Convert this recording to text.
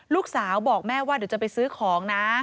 ลูกสาวบอกแม่ว่าเดี๋ยวจะไปซื้อของนะ